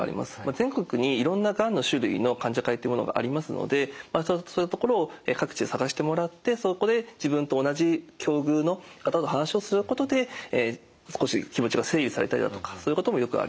全国にいろんながんの種類の患者会っていうものがありますのでそういう所を各地で探してもらってそこで自分と同じ境遇の方と話をすることで少し気持ちが整理されたりだとかそういうこともよくあります。